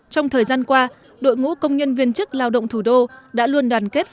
trong thời gian qua đội ngũ công nhân viên chức lao động thủ đô đã luôn đoàn kết